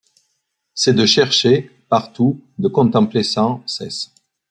C’est de chercher, partout, de contempler sans, cesse